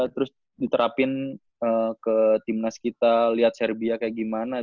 terus diterapin ke tim nas kita liat serbia kayak gimana